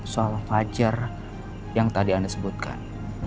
soal fajar yang tadi anda sebutkan